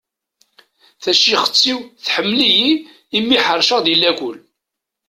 Tacixet-iw tḥemmel-iyi imi ḥerceɣ di lakul.